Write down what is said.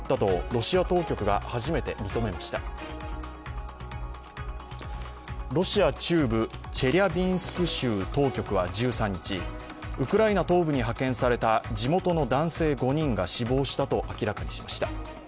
ロシア中部チェリャビンスク州当局は１３日、ウクライナ東部に派遣された地元の男性５人が死亡したと明らかにしました。